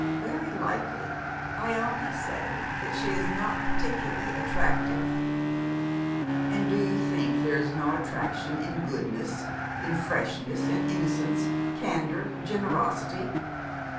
'Very likely. I only said that she is not particularly attractive.' 'And do you think there is no attraction in goodness, in freshness and innocence, candour, generosity